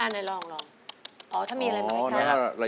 อ้าวนายลองอ๋อถ้ามีอะไรบ้างไหมครับ